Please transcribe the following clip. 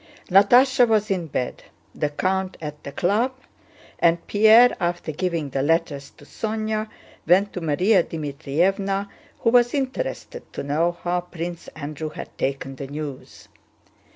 Natásha was in bed, the count at the club, and Pierre, after giving the letters to Sónya, went to Márya Dmítrievna who was interested to know how Prince Andrew had taken the news.